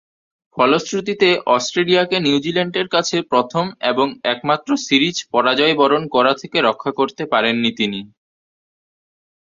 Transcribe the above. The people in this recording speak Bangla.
ফলশ্রুতিতে অস্ট্রেলিয়াকে নিউজিল্যান্ডের কাছে প্রথম ও একমাত্র সিরিজ পরাজয়বরণ করা থেকে রক্ষা করতে পারেননি তিনি।